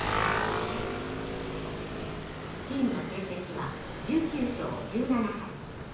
チームの成績は１９勝１７敗。